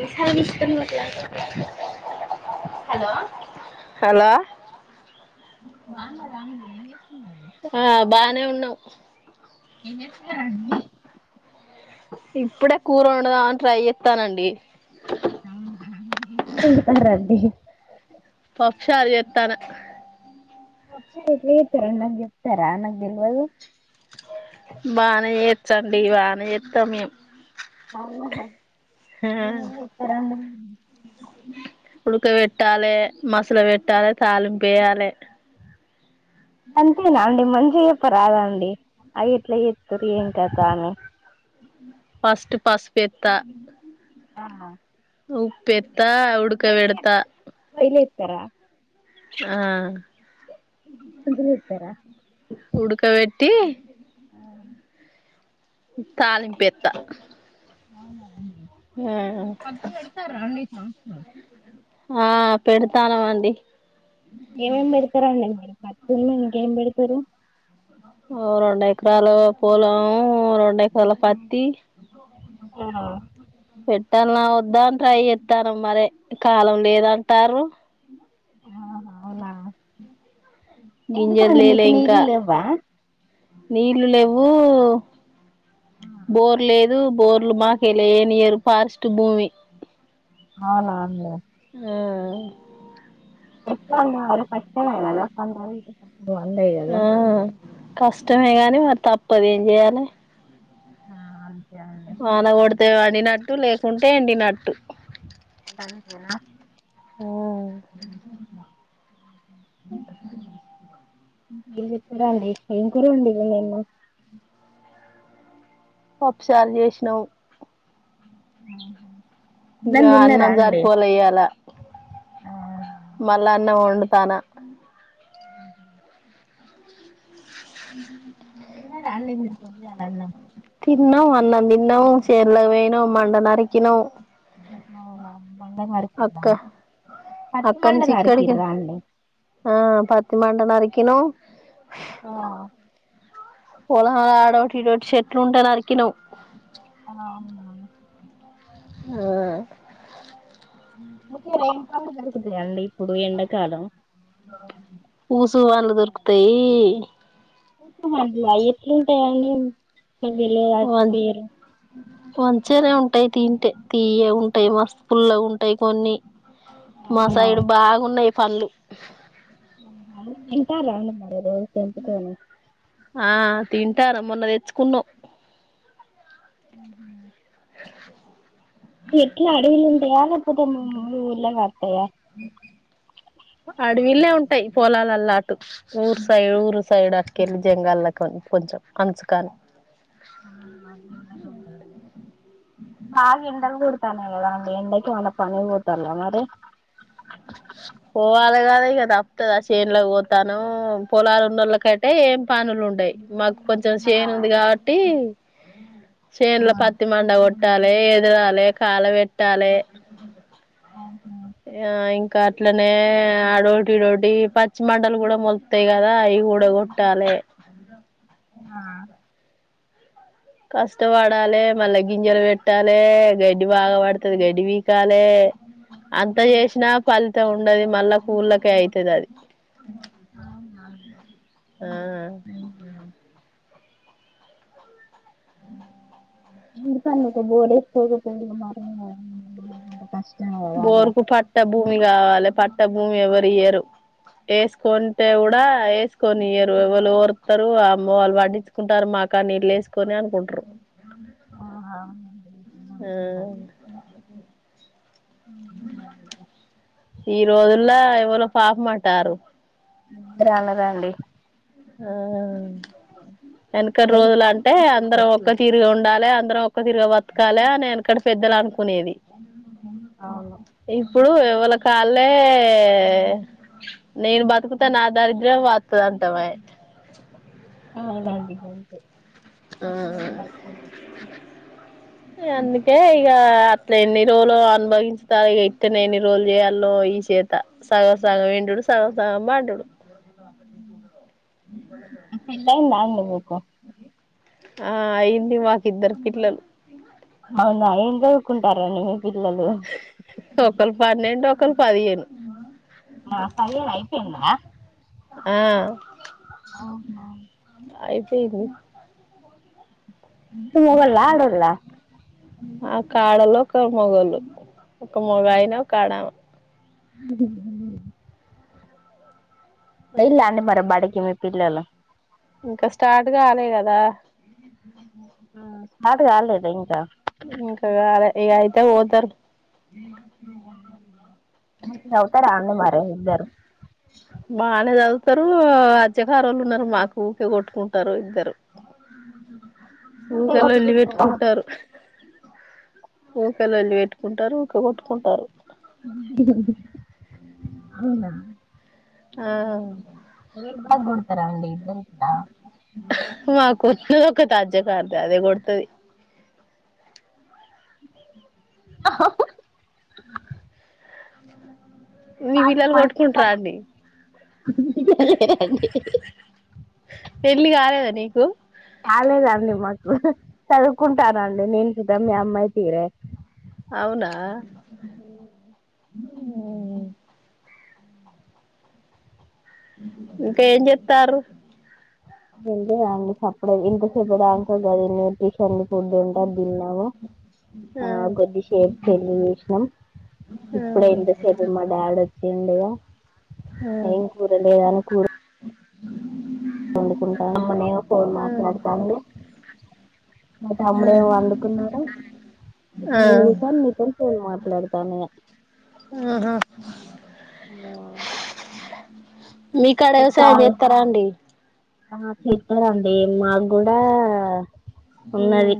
ఎ సాలమిస్తున్నవు అట్ల hello hello బావున్నరా అండి ఏం చేస్తున్నారు ఒ ఏం చేస్తున్నారు అండి ఇప్పుడే కూర వండదామని ట్రై చేస్తానండి అవునా ఏం వండుతారండి పప్పుచారు చేస్తాను ఒకసారి ఎట్లా చెప్తారండి నాకు చెప్తారా నాకు తెల్వదు బానే చే వచ్చు అండి బానే చెస్తాం మేము ఎమైనా చేప్తర అండి ఉడుకా వెట్టాలే మసాల వెట్టాలే తాలింపు ఎయ్యాలే అంతేనా అండి మంచిగా చెప్పరాదాండి అవి ఎట్ల చేత్తరు ఏం కత అని ఫస్ట్ పసుపు ఏత్త ఆహా ఉడకబెడతా పొయ్యిల ఏత్తరా ఆ చెప్తరా టి తాలింపు ఏత్త అవునా అండి పత్తి పెడతారా అండి ఈ సంవత్సరం ఆ పెడతానవండి ఏమేమి పెడతారండి మీరు పత్తులు ఇంకేం పెడతరు ఓ రెండు ఏకరాలు పొలం రెండు ఏకరాల పత్తి ఆహా పెట్టాలన్నా వద్దా అని ట్రై చేస్తాన్నం మరి కాలం లేదంటారు ఆహా అవునా గింజలు ఎందుకండి లేలే మీకు ఇంకా నీళ్లు లెవ్వా నీళ్లు లెవ్వు బోర్ లే దు బోర్లు మా కెల్లి ఎయ్యనియరు ఫారెస్ట్ భూమి అవునాండి ఆ [unintelligible] కష్టమే కదా [unintelligible] కదా ఆ కష్టమే కాని మరి తప్పదు ఏం చెయ్యాలి ఆ వాన కొడితే పండినట్టు లేకుంటే ఎండినట్టు నండేనా [unintelligible] ఉం ఏం చెత్తరు అండి ఏం కూర వండింది నిన్న పప్పుచారు చేసినవు ఆ ఇంగ అన్నం జరి పోలే ఇయాల మళ్ళా అన్నం వండుతానా ఉ అల్గపో అలాన్నా [unintelligible] తిన్నం అన్నం తిన్నం చేలోకి పొయినం మండ నరకినం అవునా [unintelligible] మండంగా అరకి పట్టి అక్క నుంచి మండంగా అరకి ఇక్కడికి రాలే ఆ పత్తి మండ నరికినం ఆ పొలం లో ఆడోటి ఇడోటి చెట్లు ఉంటే నరికినవ్ ఆ అవునా ఆ ే ర ఏం ప [unintelligible] దరుగుతాయంండి ఇప్పుడు ఎండకాలం ఊసు వాళ్లు దొరుకుతయి [unintelligible] మడియి ఎతులుంటయని వల అట్ పేరు మంచిగనే ఉంటాయి తింటే తియ్యగా ఉంటాయి మస్తు పుల్లగా ఉంటాయి కొన్ని మా అవునా సైడ్ బాగున్నాయి పల్లు ఎంట రా మ రోజ చెకో [unintelligible] తింటారు మొన్న తెచ్చుకున్నమ్ అ ఎట్లా అడవి లో ఉంటయా లేక పోతే మీ ఊర్లో కాత్తయ వీళ్ళే ఉంటాయి పొలాలల్లా అటు ఊరు సైడ్ ఊరు సైడ్ అటుకెళ్ళి జంగాల్ల కొంచెం అమ్స కా [unintelligible] బాగ ఎండలు కొడు తనయి కదండి ఎండకి ఏమన్న పనికి పోతల్ల మరి పోవాలి కద ఇగ తప్తుదా చేనులోకి పోతానం పొలాలు ఉన్నోళ్ళ కయితే ఏం పనులు ఉంటయి మాకు కొంచెం చేన్ ఉంది కాబట్టి చేేనులో పత్తి మండ కొట్టాలి ఇరవాలే కాల పెట్టాలి ఆ ఇంకా అట్లనే అడోటి ఇడోటి పచ్చి మండ లు కూడా మొలుతయి కదా కూడ కొట్టాలే ఆ కష్టపడాలి మళ్ళా గింజలు పెట్టాలి గడ్డి బాగా పడుతది గడ్డి పీకాలే అంత చేసినా ఫలితం ఉండది మళ్ళా కూళ్ళకే అయితుది అది అవునా ఆ అయ్యో ఎ ప బడే పోకపోయి మ [unintelligible] బోరుకు పట్ట భూమి కావాలి పట్ట భూమి ఎవరు ఇయ్యరు వేసుకంటే కూడా వేసుకొని ఇయ్యారు ఏవలు ఓరుతారు అమ్మో వాళ్ళు పడ్డించుకుంటారు మాకు కానీ వీళ్ళు ఎసుకొని అనుకుంట్రారు ఆ అవునండి ఆ ఈ రోజుల్లో ఎవరో పాహ్మంటారు రాలరా అండి ఆ వెనక రోజులు అంటే అందరం ఒక్క అవును తీరుగా ఉండాలె అందరం ఒక్క తిరిగ అని ఎనకట పెద్దలు అనుకునేది ఇప్పుడు ఎవళకి కాళ్ళే నేను బతుకుతా నా దరిద్రం వతుద అంటమే చెప్ప ఆ అలాంటి గన్స్ పక్కనోళ్ళు ఆ అందుకే ఇగ అట్లెన్ని రోలు అనుభవించుతారు ఇగ ఇట్టనే ఎన్ని రోలు చెయ్యాలో ఈ షేత సగం సగం ఎండుడు సగం సగం బండుడు పెళ్లైందా అండి మీకు ఆ అయింది మాకిద్దరు పిల్లలు అవునా ఏం జదువుకుంటార్రండి ఒకళ్ పన్నెండు ఒకళ్ పదిహేను చదివుడు అయిపోయిందా ఆ ఆహా పేదుమి మొగొళ్ళ ఆడోళ్ళా ఆ కాడలో ఒక మొగోళ్ళు ఒక మొగాయిన ఒకాడమ అ పొయ్యిల్లా అండి మరి బడికి మీ పిల్లలు ఇంకా స్టార్ట్ గాలే గదా ఆ స్టార్ట్ కాలేదా ఇంకా ఇంక గాలె ఇగ అయితే బోతరు సవుతరా అండి మరే ఇద్ద బానే చదువుతరు అజ్యకారోళ్ళున్నరు మాకు ఊకే కొట్టుకుంటారు ఇద్దరు ఊకే లొల్లి పెట్టుకుంటారు ఊరికే లొల్లి పెట్టుకుంటారు ఊకే కొట్టుకుంటారు ఆ ఎవరు బాగొడతరండి ఇద్దరిట్ల మాకొచ్చేదొకటది అజ్యకారుది అదే కొడుతది ఆ మీ పిల్లలు కొట్టుకుంటారా అండి పాపం పెళ్లి గాలేదా నీ కాలేదండి మాకు చదువుకుంటా నండి నేన్ చుత మీ అమ్మాయి తీరే అవునా ఇంక ఏం చేత్తార్రు సప్పుడే ఇంత సెబుడాంకె గదే న్యూట్రిషను ఫుడ్డుంటే అద్ దిన్నాము ఆ గొద్దిషే పెళ్లి జేషిణం ఆ ఇప్పుడే ఇంతసేపు మాడాడ్ ఆ ఏం కూరలేదని కూర వండుకుంటాను ఫోన్ ఆ మాట్లాడుతాంది మా ఆ తమ్ముడేమో వండుకున్నాడు ఆ [unintelligible] ఆహ ఆ మీకాడ వ్యవసాయం చేత్తరా అండి ఆ చెత్తరండి మాకు కూడా ఉన్నది హ్మ్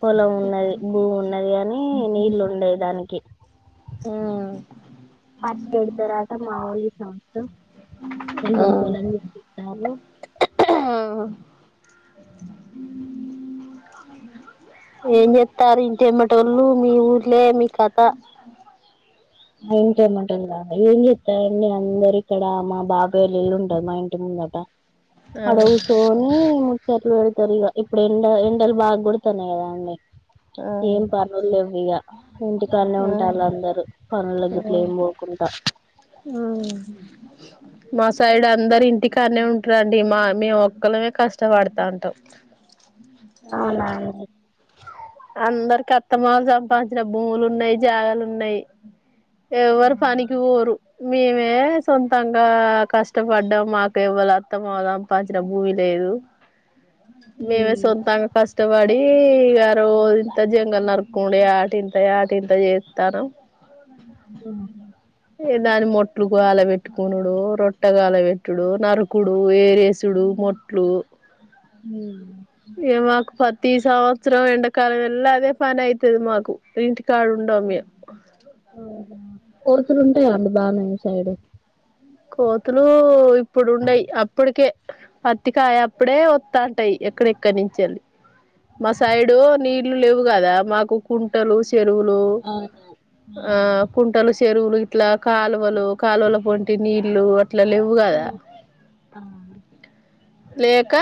పొలం ఉన్నది భూమి ఉన్నది కానీ నీళ్ళు ఉండయి దానికి హ్మ్ [unintelligible] మావోళ్ళు ఈ సంవత్సరం ఆ కొంచెం పొలం చూపిస్తారు ఏం చెత్తారు ఇంటి ఎమ్మటోళ్ళు మీ ఊళ్ర్లే మీ కథ మా ఇంటి ఎమ్మాటోళ్ళా ఏం చెత్తిరండి అందరు ఇక్కడ మా బాబాయళ్ళ ఇల్లు ఉంటారు మా ఇంటి ముందట అడ ఆ కూసోని ముచ్చట్లు పెడు ఇప్పుడు ఎండ ఎండలు బాగా కొడుతున్నాయి కదా అండి ఆ ఏం పనులు లేవు ఇగ ఇంటికానే ఆ ఉంటాల అందరూ పనుల ఆ గిట్ల ఏం పోకుంట ఉమ్ మా సైడ్ అందరు ఇంటికానే ఉంటారండి మా మేము ఒక్కళమే కష్టపడుతాంటాం అవునాఅండి అందరికీ అత్తమామ సంపాదించిన భూములు ఉన్నాయి జాగాలు ఉన్నాయి ఎవ్వరు పనికి పోరు మేమే సొంతంగా కష్టపడ్డం మాకు ఎవ్వరు అత్తమామ సంపాదించిన భూమి లేదు దు మేమే సొంతంగా కష్టపడి ఇగ రోజు ఇంత జంగల్ నరకు ఉండే ఏట ఇంత ఏట ఇంత చేత్తాను హ్మ్ దాని మొట్లు గాల పెట్టుకున్నాడు రొట్టగాలబెట్టుడు నరుకుడు వేరేసుడు మొట్లు ఏ మాకు పతీ సంవత్సరం ఎండ కాల మెల్లా అదే పని అవుతుది మాకు ఇంటి కాడు ఉండం మేం ఓహో కోతులు ఉంటాయా అండి బా మీ సైడు కోతులు ఇప్పుడు ఉండయి అప్పటికే పత్తికాయ అప్పుడే వత్తా ఉంటాయి ఎక్కడెక్కడి నుంచెల్లి మా సైడు నీళ్లు లేవు కదా మాకు కుంటలు చెరువులు అవునా ఆ కుంటలు చెరువులు ఇట్లా కాలువలు కాలువలు ప ఇటి నీళ్ళలు అట్లా లేవు కదా లేక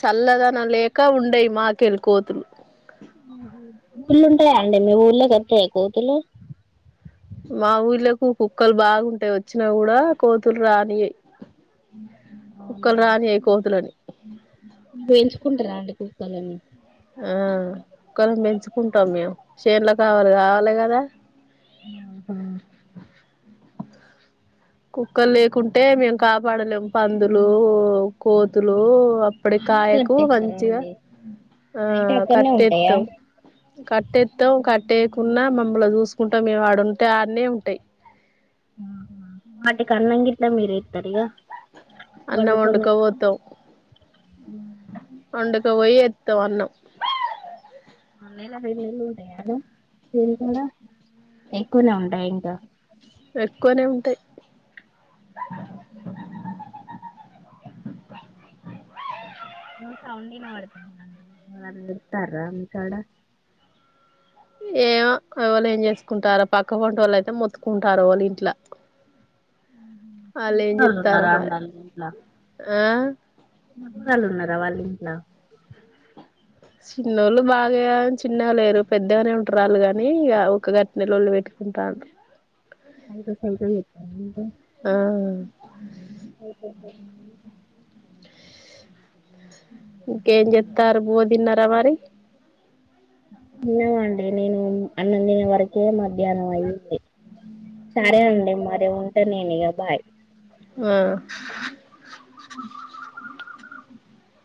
చల్లదనం లేక ఉండేయి మాకెళ్ళి కోతులు ఊళ్ళో ఉంటాయా అండి మీ ఊళ్ళోకొత్తయా కోతులు మా ఊళ్ళకు కుక్కలు బాగుంటాయి వచ్చినా కూడా కోతులు రానియయి అవునా కుక్కలు రాని అయి కోతులని మీరు పెంచుకుంటరా అండి కుక్కలని ఆ కుక్కలనిపెంచుకుంటాం మేము చేన్లో కావలి కావాలి కదా ఆహా కుక్కలు లేకుంటే మేము కాపాడలేము పందులు కోతులు అప్పుడు అన్నే కాయకు కట్టేస్తారా మంచిగా అండి ఆ నైట్ అక్కడనే ఉంటాయా కట్టెత్తాం కట్టేత్తం కట్ ట్టేకున్నా మమ్మల్ చూసుకుంటా మేము ఆడుంటే ఆడనే ఉంటయి వాటికీ అన్నంగిట్ల మీరే ఇత్తరఇగా అన్న ఒండకవోతం ఒండక పొయ్యేత్తం అన్నం మేల రేన్నేళ్ళుంటాయానే ఏం కూర ఎక్కువనే ఉంటాయా ఎక్కువనే ఉంటాయి అ ఏమో సౌండ్ ఇనపడ్తంది ఎవలన్న తెత్తర్ర మీకాడ ఏమో ఎవాళు ఏం చేసుకుంటార పక్క పొంటోళ్ళైతే మొత్తుకుంటారు వాళ్ళు ఇంట్ల వాళ్ళు చెప్తారో ఉన్నారుారా మరి అండళ్ ఇంట్లా ఆ ట్ల చిన్నోళ్ళు బాగా ఏం చిన్న లేరు పెద్దగానే ఉంటారుళ్ళు కాని ఇగ ఊకె గట్నే లొల్లి పెట్టుకు ఉంటాడు సైకో సైకో చేత్తంది ఇగ మ్ అయిపోతాదండి ఇంకేం చెత్తారు బువ్వదిన్నర మరి ఏమో అండి నేను అన్నందినే వరకే మ ధ్యాహ్నం అయ్యంది సరే అండి మరి ఉంటే నేను ఇగ బాయ్ ఆ